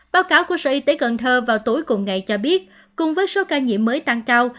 báo cáo của sở y tế cần thơ vào tối cùng ngày cho biết cùng với số ca nhiễm mới tăng cao